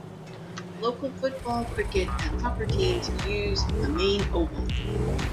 Local football, cricket and soccer teams use the main oval.